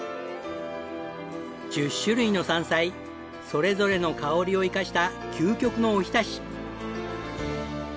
１０種類の山菜それぞれの香りを生かした究極のおひたし。